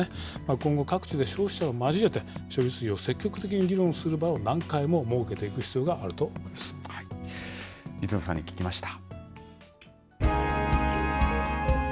今後、各地で消費者を交えて、処理水を積極的に議論する場を何回も設けていく必要があると思いま水野さんに聞きました。